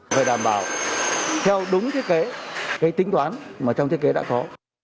phải đảm bảo theo đúng thiết kế tính toán mà trong thiết kế đã có